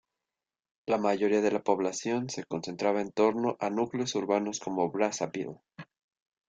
La mayoría de la población se concentraba en torno a núcleos urbanos como Brazzaville.